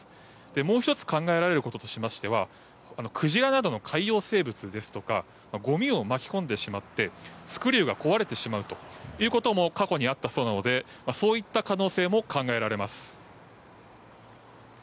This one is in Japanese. もう１つ考えられることとしてはクジラなどの海洋生物ですとかごみを巻き込んでしまってスクリューが壊れてしまうということも過去にあったそうなのでそういった可能性も考えられます。